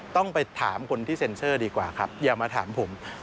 ต้องไปถามคนที่เซ็นเซอร์ดีกว่าครับอย่ามาถามผม